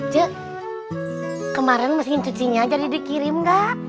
je kemarin masih ngucinya jadi dikirim gak